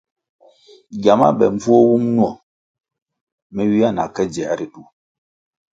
Gyama be mbvuo wum nwo me ywia na ke dziē ritu.